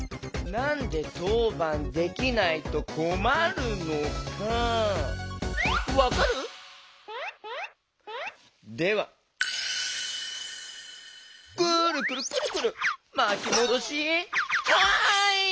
なんでとうばんできないとこまるのかわかる？ではくるくるくるくるまきもどしタイム！